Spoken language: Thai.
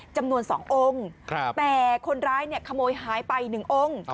จำนวน๒องค์แต่คนร้ายเนี่ยขโมยหายไป๑องค์